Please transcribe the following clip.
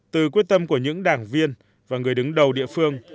từ quyết tâm của những đảng viên và người đứng đầu địa phương